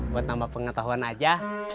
buat nambah pengetahuan aja